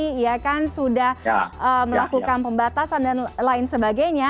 karena mungkin dua tahun sudah mengurung diri sudah melakukan pembatasan dan lain sebagainya